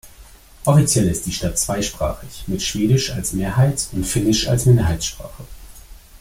Offiziell ist die Stadt zweisprachig mit Schwedisch als Mehrheits- und Finnisch als Minderheitssprache.